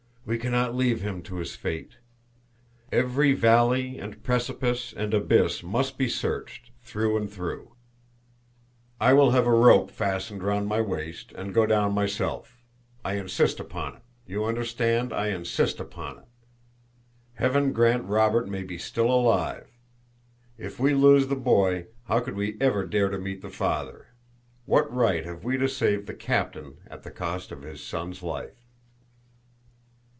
"We cannot leave him to his fate. Every valley and precipice and abyss must be searched through and through. I will have a rope fastened round my waist, and go down myself. I insist upon it; you understand; I insist upon it. Heaven grant Robert may be still alive! If we lose the boy, how could we ever dare to meet the father? What right have we to save the captain at the cost of his son's life?"